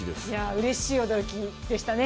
うれしい驚きでしたね